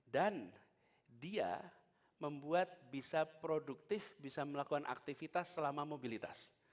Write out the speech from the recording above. dan dia membuat bisa produktif bisa melakukan aktivitas selama mobilitas